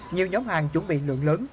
nhiều nhóm hàng chuẩn bị lượng lớn